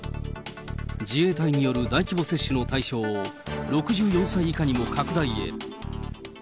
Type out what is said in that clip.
自衛隊による大規模接種の対象を６４歳以下にも拡大へ。